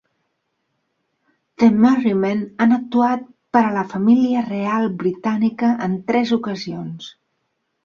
The Merrymen han actuat per a la Família Real Britànica en tres ocasions.